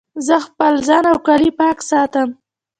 زه خپل ځان او کالي پاک ساتم.